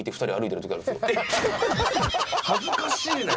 恥ずかしいね。